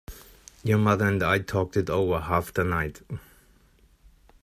Your mother and I talked it over half the night.